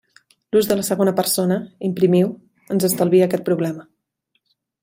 L'ús de la segona persona, imprimiu, ens estalvia aquest problema.